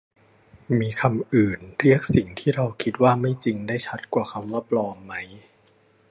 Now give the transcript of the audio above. มีคำอื่นเรียกสิ่งที่เราคิดว่าไม่จริงได้ชัดกว่าคำว่า ปลอม ไหม